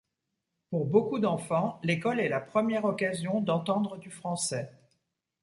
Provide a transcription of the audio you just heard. Pour beaucoup d'enfants, l'école est la première occasion d'entendre du français.